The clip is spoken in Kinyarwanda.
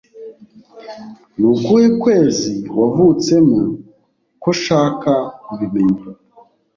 Nukuhe kwezi wavutsemo ko shaka kubimenya